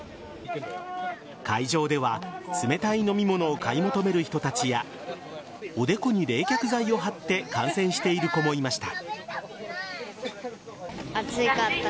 会場では冷たい飲み物を買い求める人たちやおでこに冷却剤を貼って観戦している子もいました。